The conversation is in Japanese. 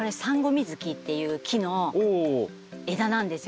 ミズキという木の枝なんですよ。